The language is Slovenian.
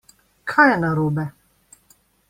Kaj je narobe?